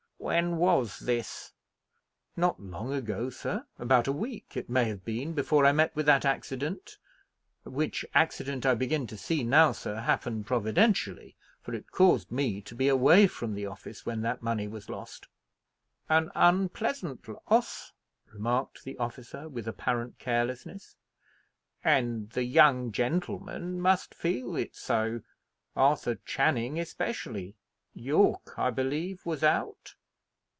"When was this?" "Not long ago, sir. About a week, it may have been, before I met with that accident which accident, I begin to see now, sir, happened providentially, for it caused me to be away from the office when that money was lost." "An unpleasant loss," remarked the officer, with apparent carelessness; "and the young gentlemen must feel it so Arthur Channing especially. Yorke, I believe, was out?"